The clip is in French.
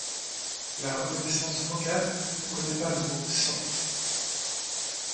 La reconnaissance vocale ne connaît pas le mot sente